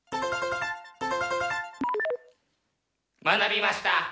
まなびました！